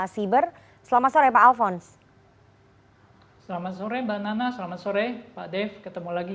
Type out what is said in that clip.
selamat sore pak alphonse